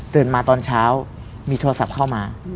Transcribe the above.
มาตอนเช้ามีโทรศัพท์เข้ามา